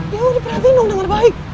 ya udah perhatiin dong dengan baik